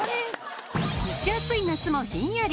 蒸し暑い夏もひんやり！